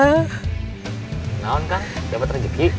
senang kan dapat rezeki